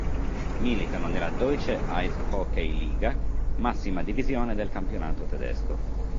Militano nella Deutsche Eishockey-Liga, massima divisione del campionato tedesco.